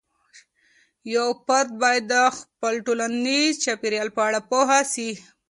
یو فرد باید د خپل ټولنيزې چاپیریال په اړه پوه سي.